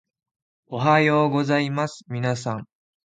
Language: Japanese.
おはようございますみなさん